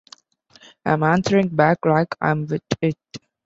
I'm answering back, like, 'I'm wit it'.